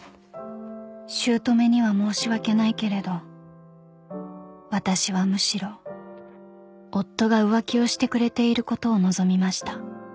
［姑には申し訳ないけれど私はむしろ夫が浮気をしてくれていることを望みました］